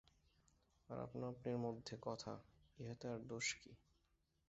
আর আপনা-আপনির মধ্যে কথা, ইহাতে আর দোষ কী?